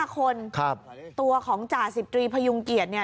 ๕คนตัวของจ่าสิบตรีพยุงเกียจเนี่ย